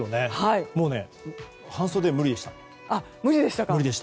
もう、半袖は無理でした。